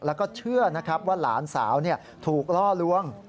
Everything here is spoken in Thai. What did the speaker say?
และก็เชื่อว่าหลานสาวถูกล่อล้วง